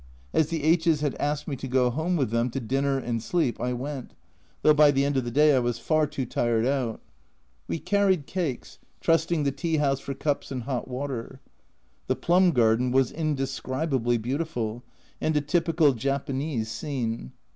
As the H s had asked me to go home with them to dinner and sleep, I went, though by the end of the day I was far too tired out. We carried cakes, trusting the tea house for cups and hot water. The plum garden was indescribably beautiful, and a typical "Japanese" scene.